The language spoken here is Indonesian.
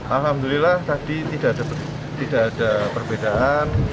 alhamdulillah tadi tidak ada perbedaan